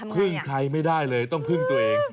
พึ่งใครไม่ได้เลยต้องพึ่งตัวเอง